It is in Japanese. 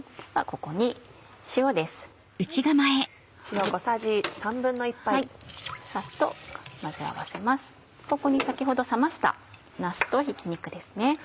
ここに先ほど冷ましたなすとひき肉ですね。